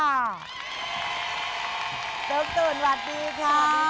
ตุ๊กตุ๋นหวัดดีค่ะ